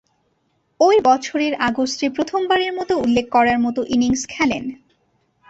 ঐ বছরের আগস্টে প্রথমবারের মতো উল্লেখ করার মতো ইনিংস খেলেন।